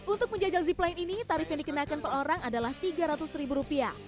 untuk menjajal zipline ini tarif yang dikenakan per orang adalah tiga ratus ribu rupiah